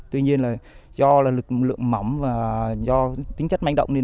tuy nhiên do lực lượng mỏng và tính chất manh động